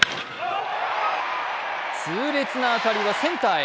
痛烈な当たりはセンターへ。